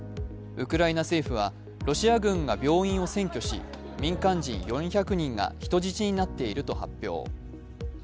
ウクライナ政府は、ロシア軍が病院を占拠し、民間人４００人が人質になっていると発表。